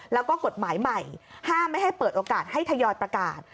แล้วก็กฎหมายใหม่ห้ามไม่ให้เปิดโอกาสให้ทยอยประกาศ